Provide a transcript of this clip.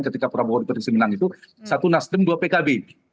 ketika pak prabowo di prediksi menang itu satu nasdem dua pkb